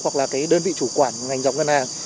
hoặc là cái đơn vị chủ quản ngành dọc ngân hàng